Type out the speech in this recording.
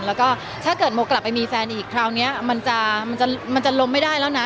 แล้วก็ถ้าเกิดโมกลับไปมีแฟนอีกคราวนี้มันจะล้มไม่ได้แล้วนะ